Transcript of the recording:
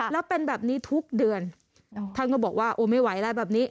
แล้วเป็นแบบนี้ทุกเดือนท่านก็บอกว่าโอ้ไม่ไหวแล้วแบบนี้